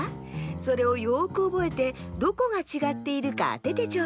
それをよくおぼえてどこがちがっているかあててちょうだい。